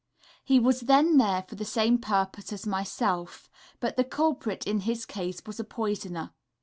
He was then there for the same purpose as myself, but the culprit in his case was a poisoner.